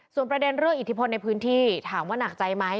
ส่วนประเด็นเรื่องอิทธิพลในพื้นที่ถามว่าหนักใจไหม